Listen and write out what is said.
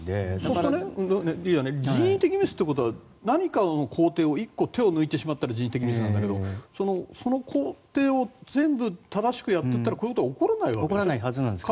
そうすると、リーダー人為的なミスということは何かの工程を１個手を抜いてしまったら人為的ミスなんだけどその工程を全部正しくやっていたらこういうことは起こらないはずなんでしょ。